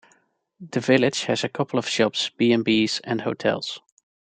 The village has a couple of shops, B and Bs and hotels.